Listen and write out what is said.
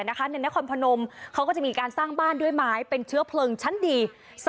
นครพนมเขาก็จะมีการสร้างบ้านด้วยไม้เป็นเชื้อเพลิงชั้นดี